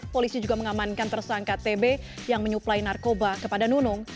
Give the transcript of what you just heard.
polisi juga mengamankan tersangka tb yang menyuplai narkoba kepada nunung